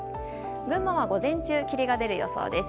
群馬は午前中、霧が出る予想です。